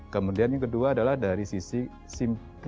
kemudian yang kedua adalah dari sisi